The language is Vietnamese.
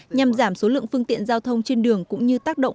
nhằm giảm số lượng phương tiện giao thông trên đường cũng như tác động